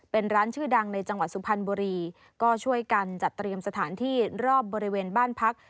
เป็นร้านชื่อดังในจังหวัดสุพรรณบุรีก็ช่วยกันจัดเตรียมสถานที่รอบบริเวณบ้านพัก